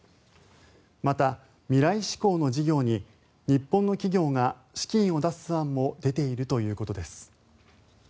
また、未来志向の事業に日本の企業が資金を出す案も出ているということです。